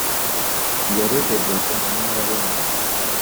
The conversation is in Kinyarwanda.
Iya rujegeza niya rumena